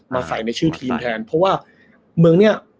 ใส่ในชื่อทีมแทนเพราะว่าเมืองเนี่ย